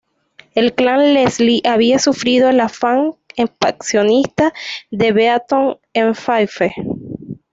El Clan Leslie había sufrido el afán expansionista de Beaton en Fife.